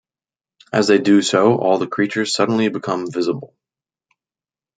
As they do so all the creatures suddenly become visible.